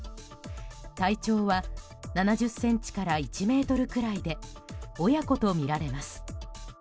体長は７０ｃｍから１ｍくらいで親子とみられます。